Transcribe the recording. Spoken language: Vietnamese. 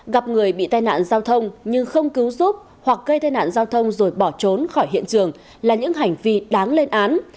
gặp người bị tai nạn giao thông nhưng không cứu giúp hoặc gây tai nạn giao thông rồi bỏ trốn khỏi hiện trường là những hành vi đáng lên án